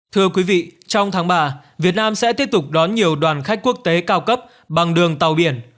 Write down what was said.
thưa quý vị trong tháng ba việt nam sẽ tiếp tục đón nhiều đoàn khách quốc tế cao cấp bằng đường tàu biển